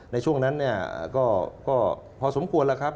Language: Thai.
ในช่วงนั้นเนี่ยก็พอสมควรแล้วครับ